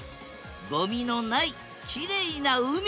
ごみのないきれいな海。